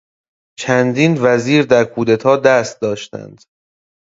چندین وزیر در کودتا دست داشتند.